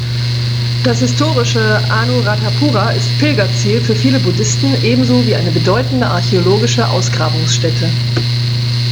Das historische Anuradhapura ist Pilgerziel für viele Buddhisten ebenso wie eine bedeutende archäologische Ausgrabungsstätte.